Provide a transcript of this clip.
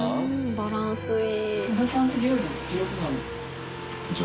バランスいい。